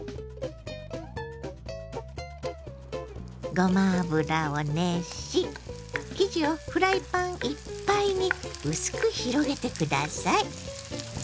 ごま油を熱し生地をフライパンいっぱいに薄く広げて下さい。